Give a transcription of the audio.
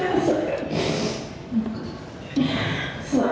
terasa terhadap saya